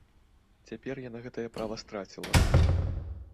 Цяпер яна гэтае права страціла.